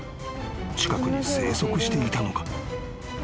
近くに生息していたのか？］